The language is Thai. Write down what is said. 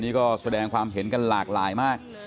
นี่ก็แสดงความเห็นกันหลากหลายมาก